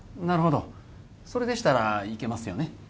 なるほどそれでしたらいけますよね？